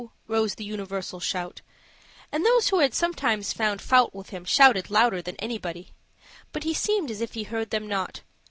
rose the universal shout and those who had sometimes found fault with him shouted louder than anybody. But he seemed as if he heard them not.